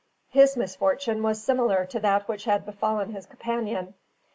His misfortune was similar to that which had befallen his companion.